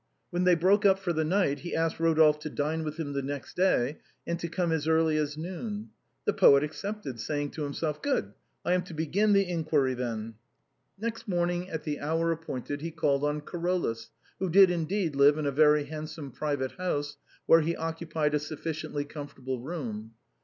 When they broke up for the night, he asked Eodolphe to dine with him 144 THE BOHEMIANS OF THE LATIN QUARTER. next day, and to come as early as noon. The poet accepted, saying to himself, " Good ! I am to begin the inquiry, then.'' Next morning, at the hour appointed, he called on Caro lus, who did indeed live in a very handsome private house, where he occupied a sufficiently comfortable room.